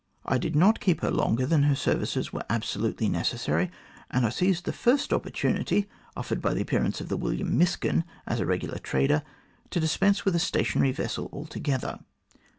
I did not keep her longer than her services were absolutely necessary, and I seized the first opportunity, offered by the appearance of the William Miskin as a regular trader, to dispense with a stationary vessel altogether.